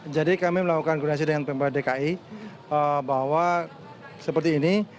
jadi kami melakukan kondisi dengan pemba dki bahwa seperti ini